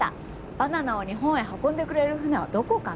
バナナを日本へ運んでくれる船はどこかな？